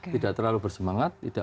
tidak terlalu bersemangat